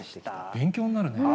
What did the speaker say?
勉強になるね。